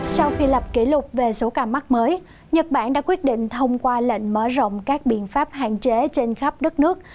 sau khi lập kỷ lục về số ca mắc mới nhật bản đã quyết định thông qua lệnh mở rộng các biện pháp hạn chế trên khắp đất nước